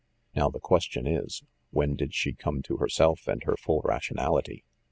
Now the question is, when did she come to herself and her full rationality?